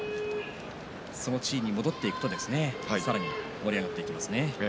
その地位に戻っていきますとさらに盛り上がっていきますね。